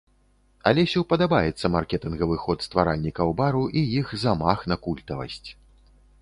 Алесю падабаецца маркетынгавы ход стваральнікаў бару і іх замах на культавасць.